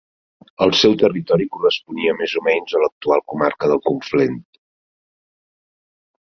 El seu territori corresponia més o menys a l'actual comarca del Conflent.